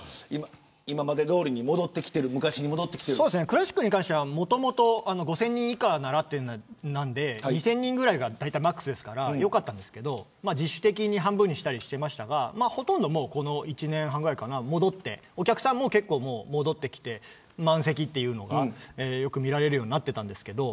クラシックに関してはもともと５０００人以下ならとなっているので２０００人ぐらいがマックスですからよかったんですけれど自主的に半分にしたりしていましたがほとんどこの１年半ぐらい戻ってお客さんも戻ってきて満席がよく見られるようになってきました。